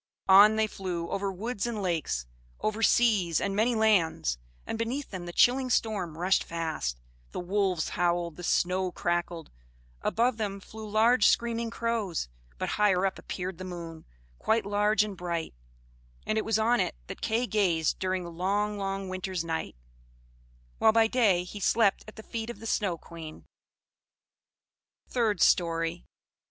On they flew over woods and lakes, over seas, and many lands; and beneath them the chilling storm rushed fast, the wolves howled, the snow crackled; above them flew large screaming crows, but higher up appeared the moon, quite large and bright; and it was on it that Kay gazed during the long long winter's night; while by day he slept at the feet of the Snow Queen. THIRD STORY.